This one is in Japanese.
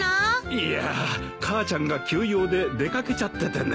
いや母ちゃんが急用で出掛けちゃっててね。